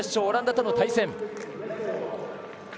オランダとの対戦。